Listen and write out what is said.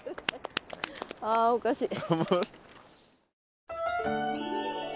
あおかしい。